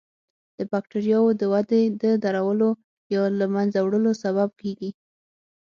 د بکټریاوو د ودې د درولو یا له منځه وړلو سبب کیږي.